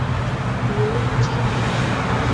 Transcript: — Уэ-тик!